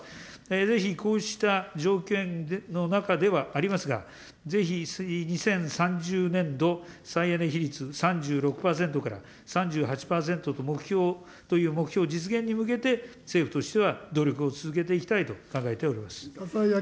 ぜひ、こうした条件の中ではありますが、ぜひ２０３０年度再エネ比率３６％から３８％という目標実現に向けて、政府としては努力を続けていきたいと考えております。